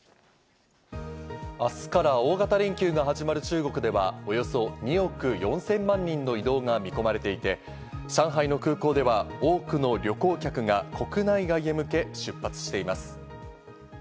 明日から大型連休が始まる中国では、およそ２億４０００万人の移動が見込まれていて、上海の空港では多くの旅行客が国内外へ向け出発しています。